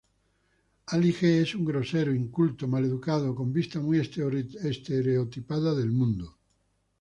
Ali G es un grosero, inculto, mal educado con vistas muy estereotipada del mundo.